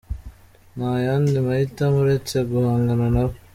Nta yandi mahitamo uretse guhangana nabo.